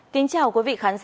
kính chào quý vị khán giả